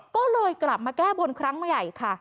ก็เลยกลับมาแก้บนครั้งใหญ่ค่ะ